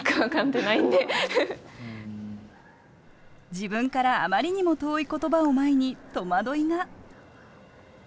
自分からあまりにも遠い言葉を前に戸惑いが。